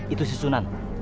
itu si sunan